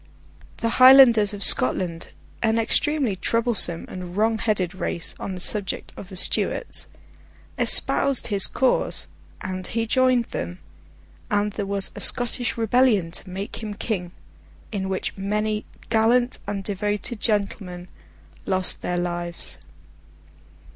The Highlanders of Scotland, an extremely troublesome and wrong headed race on the subject of the Stuarts, espoused his cause, and he joined them, and there was a Scottish rebellion to make him king, in which many gallant and devoted gentlemen lost their lives.